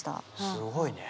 すごいねえ。